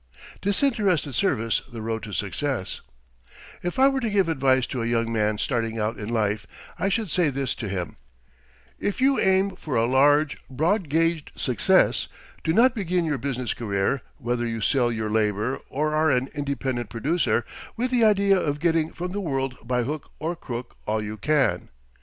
DISINTERESTED SERVICE THE ROAD TO SUCCESS If I were to give advice to a young man starting out in life, I should say to him: If you aim for a large, broad gauged success, do not begin your business career, whether you sell your labour or are an independent producer, with the idea of getting from the world by hook or crook all you can.